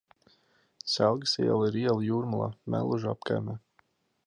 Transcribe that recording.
Selgas iela ir iela Jūrmalā, Mellužu apkaimē.